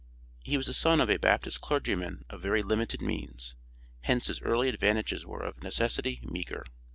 He was the son of a Baptist clergyman of very limited means, hence his early advantages were of necessity meager.